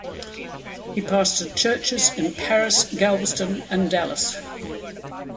He pastored churches in Paris, Galveston, and Dallas.